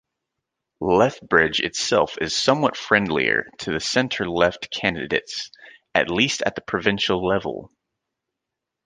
Lethbridge itself is somewhat friendlier to centre-left candidates, at least at the provincial level.